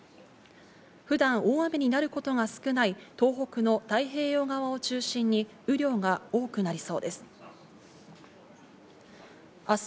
普段、大雨になることが少ない東北の太平洋側を中心に雨量が多くなりそうです。